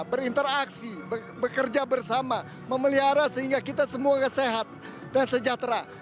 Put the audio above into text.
berinteraksi bekerja bersama memelihara sehingga kita semua sehat dan sejahtera